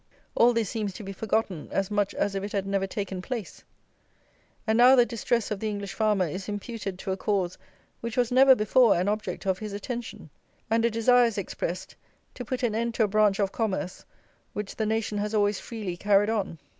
All this seems to be forgotten as much as if it had never taken place; and now the distress of the English farmer is imputed to a cause which was never before an object of his attention, and a desire is expressed to put an end to a branch of commerce which the nation has always freely carried on.